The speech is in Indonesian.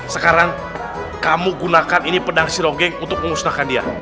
sekarang kamu gunakan ini pedang si ronggeng untuk mengusnahkan dia